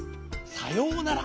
さようなら。